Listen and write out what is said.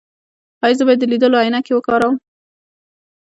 ایا زه باید د لیدلو عینکې وکاروم؟